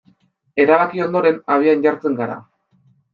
Erabaki ondoren, abian jartzen gara.